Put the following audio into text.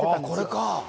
これか。